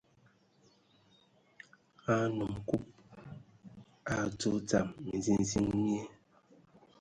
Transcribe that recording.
A nnom Kub a adzo dzam minziziŋ mie,